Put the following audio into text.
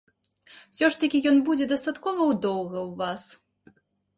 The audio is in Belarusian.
Усё ж такі ён будзе дастаткова доўга ў вас.